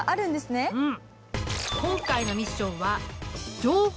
うん。